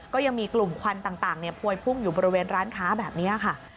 ก็ยังมีกลุ่มควันต่างพวยพุ่งอยู่บริเวณร้านค้าแบบนี้ค่ะ